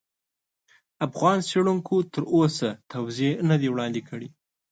افغان څېړونکو تر اوسه توضیح نه دي وړاندې کړي.